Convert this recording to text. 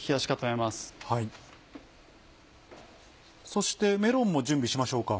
そしてメロンも準備しましょうか。